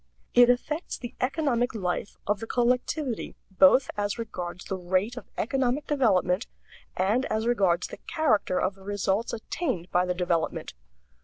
It affects the economic life of the collectivity both as regards the rate of economic development and as regards the character of the results attained by the development.